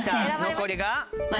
残りが。